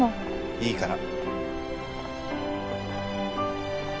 いいから。